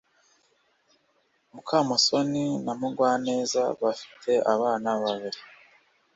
mukamusoni na mugwaneza bafite abana babiri